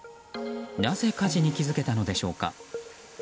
なぜ火事に気付けたのでしょうか。